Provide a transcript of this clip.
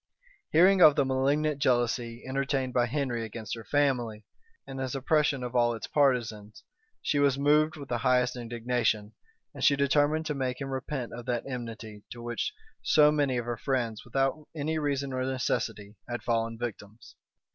Hearing of the malignant jealousy entertained by Henry against her family, and his oppression of all its partisans, she was moved with the highest indignation; and she determined to make him repent of that enmity to which so many of her friends, without any reason or necessity, had fallen victims.